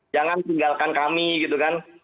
jangan tinggalkan kami gitu kan